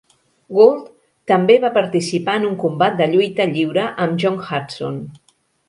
Gould també va participar en un combat de lluita lliure amb John Hartson.